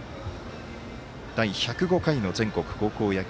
第１０５回全国高校野球